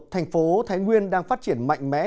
thành phố thái nguyên đang phát triển mạnh mẽ